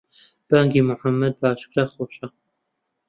بانگی موحەمەد بە ئاشکرا خۆشە